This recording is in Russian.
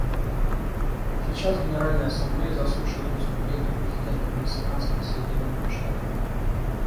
Сейчас Генеральная Ассамблея заслушает выступление президента Мексиканских Соединенных Штатов.